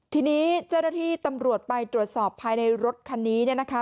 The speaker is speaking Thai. ทีนี้เจ้าหน้าที่ตำรวจไปตรวจสอบภายในรถคันนี้เนี่ยนะคะ